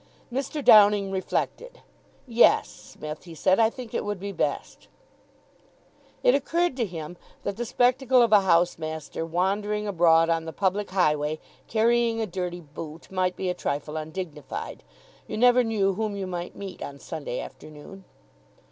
Mr. Downing reflected. "Yes, Smith," he said. "I think it would be best." It occurred to him that the spectacle of a housemaster wandering abroad on the public highway, carrying a dirty boot, might be a trifle undignified. You never knew whom you might meet on Sunday afternoon.